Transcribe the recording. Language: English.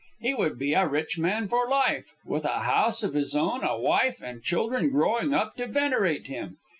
He would be a rich man for life, with a house of his own, a wife, and children growing up to venerate him.